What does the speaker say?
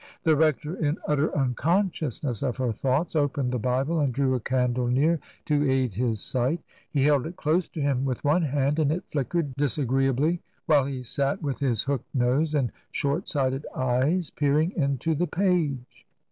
The rector, in utter unconsciousness of her thoughts, opened the Bible and drew a candle near to aid his sight. He held it close to him with one hand, and it flickered disagreeably, while he sat with his hooked nose and shortsighted eyes peering into the page.